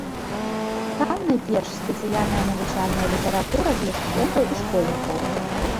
Там найперш спецыяльная навучальная літаратура для студэнтаў і школьнікаў.